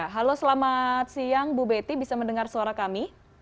halo selamat siang bu betty bisa mendengar suara kami